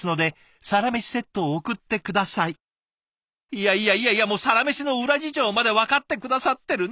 いやいやいやいや「サラメシ」の裏事情まで分かって下さってる。